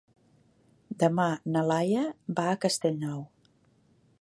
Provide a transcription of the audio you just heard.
Demà na Laia va a Castellnou.